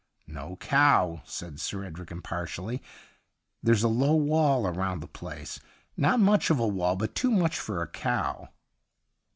' No cow/ said Sir Edric impar tially. ' There's a low wall all round the place — not much of a wall, but too much for a cow.'